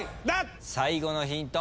最後のヒント